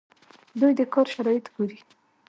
دوی د کار شرایط ګوري.